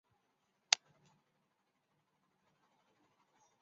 赐郑璩素六十匹。